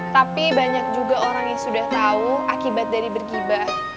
tapi banyak juga orang yang sudah tahu akibat dari bergibah